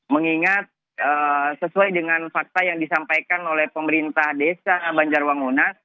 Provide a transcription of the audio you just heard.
mengingat sesuai dengan fakta yang disampaikan oleh pemerintah desa banjarwanguna